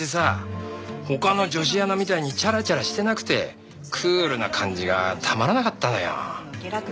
他の女子アナみたいにチャラチャラしてなくてクールな感じがたまらなかったのよ。